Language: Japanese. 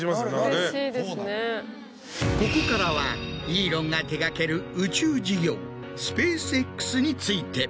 ここからはイーロンが手掛ける宇宙事業ＳｐａｃｅＸについて。